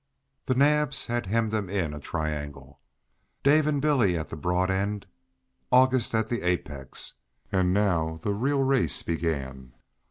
The Naabs had hemmed him in a triangle, Dave and Billy at the broad end, August at the apex, and now the real race began.